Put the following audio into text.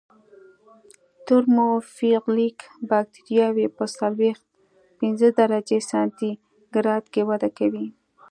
ترموفیلیک بکټریاوې په څلویښت پنځه درجې سانتي ګراد کې وده کوي.